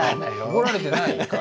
怒られてないから。